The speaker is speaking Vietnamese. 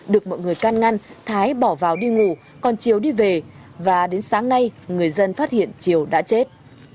được mọi người can ngăn thái bỏ vào đi ngủ còn chiều đi về và đến sáng nay người dân phát hiện triều đã chết